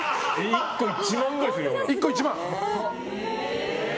１個１万ぐらいするよ。